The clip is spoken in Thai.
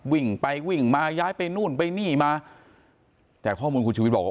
วิ่งไปวิ่งมาย้ายไปนู่นไปนี่มาแต่ข้อมูลคุณชุวิตบอกว่า